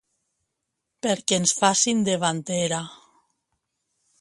Perquè ens facin de bandera!